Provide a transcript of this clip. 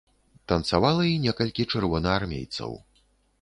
Танцавала і некалькі чырвонаармейцаў.